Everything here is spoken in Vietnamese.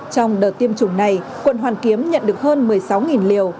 trong đợt tiêm chủng này quận hoàn kiếm nhận được hơn một mươi sáu liều